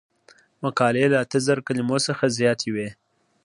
مقالې له اته زره کلمو څخه زیاتې وي.